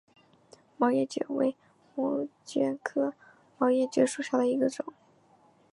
毛叶蕨为膜蕨科毛叶蕨属下的一个种。